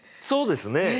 そうですね。